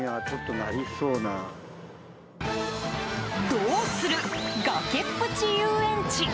どうする、崖っぷち遊園地。